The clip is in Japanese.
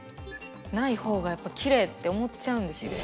ない方がやっぱりきれいって思っちゃうんですよ。